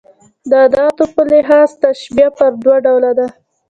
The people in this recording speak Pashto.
د اداتو په لحاظ تشبېه پر دوه ډوله ده.